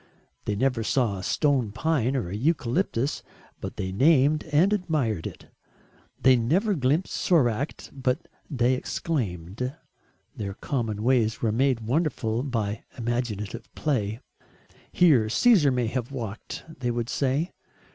They never saw a stone pine or a eucalyptus but they named and admired it; they never glimpsed Soracte but they exclaimed. Their common ways were made wonderful by imaginative play. "Here Caesar may have walked," they would say.